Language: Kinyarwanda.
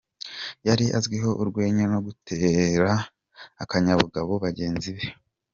Yari azwiho urwenya no gutera akanyabugabo bagenzi be.